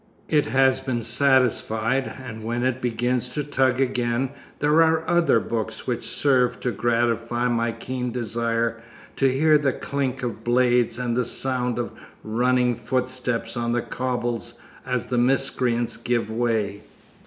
It has been satisfied, and when it begins to tug again there are other books which will serve to gratify my keen desire to hear the clink of blades and the sound of running footsteps on the cobbles as the miscreants give way.